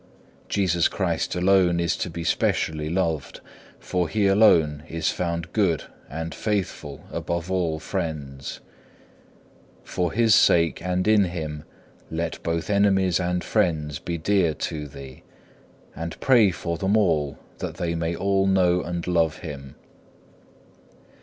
Jesus Christ alone is to be specially loved, for He alone is found good and faithful above all friends. For His sake and in Him let both enemies and friends be dear to thee, and pray for them all that they may all know and love Him.